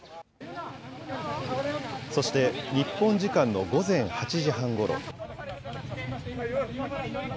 そして日本時間の午前８時半ごろ。